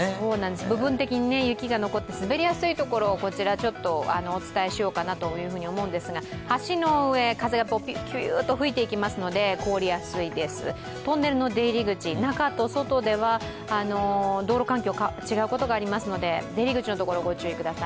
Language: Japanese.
部分的に雪が残って滑りやすいところ、お伝えしようと思うんですが、橋の上、風がピューッと吹いていきますので凍りやすいです、トンネルの出入り口、中と外では道路環境違うことがありますので、出入り口のところご注意ください。